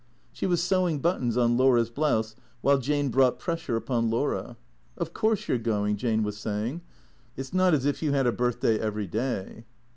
She was sewing buttons on Laura's blouse while Jane brought pressure upon Laura. " Of course you 're going," Jane was saying. " It 's not as if you had a birthday every day."